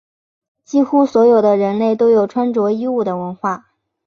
几乎所有的人类都有穿着衣物的文化。